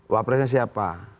wah presidennya siapa